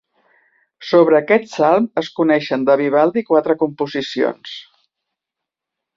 Sobre aquest salm es coneixen de Vivaldi quatre composicions.